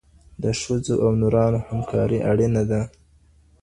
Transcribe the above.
د ښځو او نرانو همکاري اړینه ده.